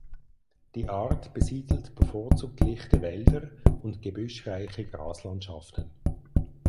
Die Art besiedelt bevorzugt lichte Wälder und Gebüsch reiche Graslandschaften.